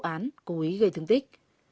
án cố ý gây thương tích